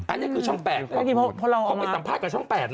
อันนี้คือช่อง๘